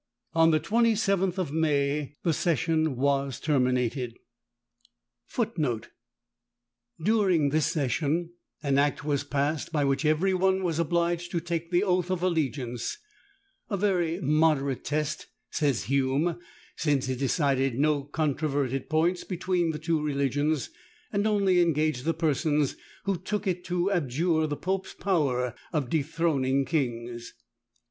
On the 27th of May the session was terminated. [Footnote 19: During this session an Act was passed, by which every one was obliged to take the oath of allegiance—"a very moderate test," says Hume, "since it decided no controverted points between the two religions, and only engaged the persons who took it to abjure the pope's power of dethroning kings."